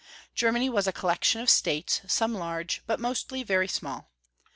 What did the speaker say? Germany was a collection of states, some large, but mostly very small.